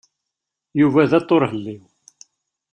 Yuba d aṭuṛhelliw.